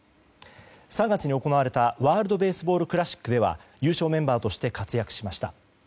３月に行われたワールド・ベースボール・クラシックでは優勝メンバーとして活躍しました。